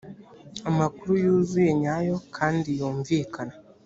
amakuru yuzuye nyayo kandi yumvikana